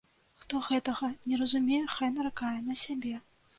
Хто гэтага не разумее, хай наракае на сябе.